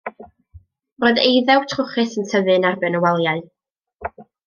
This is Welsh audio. Roedd eiddew trwchus yn tyfu yn erbyn y waliau.